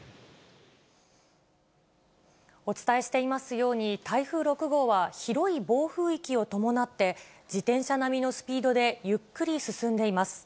お伝えしていますように、台風６号は、広い暴風域を伴って自転車並みのスピードでゆっくり進んでいます。